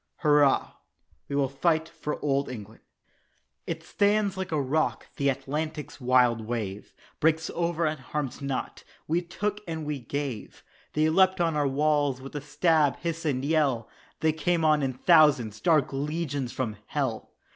"Hurrah, we will fight for Old England." It stands like a rock the Atlantic's wild wave Breaks over and harms not. We took and we gave They leapt on our "walls" with stab, hiss, and yell They came on in thousands, dark legions from hell!